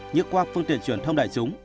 như qua phương tiện truyền thông đại chúng